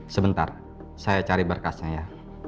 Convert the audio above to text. sebentar saya cari berkasnya ya